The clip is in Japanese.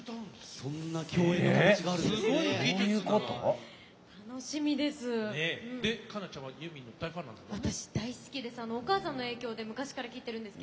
そんな共演の形があるんですね。